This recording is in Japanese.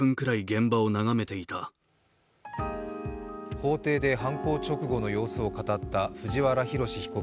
法廷で犯行直後の様子を語った藤原宏被告